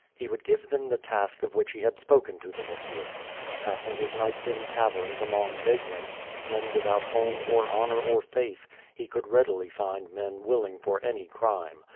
He would give them the task of which he had spoken to Vinitiurf. Passing his nights in tav erns among vagrants, men without home or honor or faith, he could readily fiiid men willing for any crime.